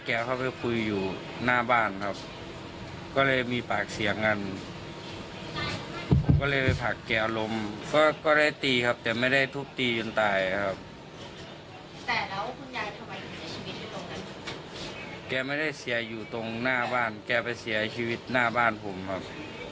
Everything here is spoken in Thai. ขายบนแชร็งของน่าบ้านแกเป็นเสียชีวิตแนบบ้านผมครับ